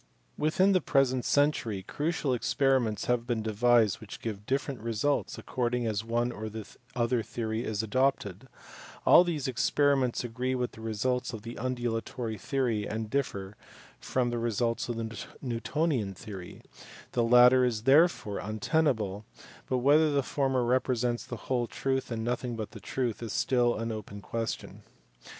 Within the present century crucial experiments have been devised which give different results according as one or the other theory is adopted ; all these experiments agree with the results of the undulatory theory and differ from the results of the Newtonian theory : the latter is therefore un tenable, but whether the former represents the whole truth and nothing but the truth is still an open question.